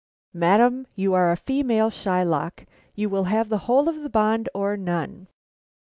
"Madam, you are a female Shylock; you will have the whole of the bond or none."